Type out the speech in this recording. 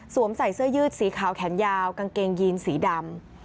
ใส่เสื้อยืดสีขาวแขนยาวกางเกงยีนสีดำ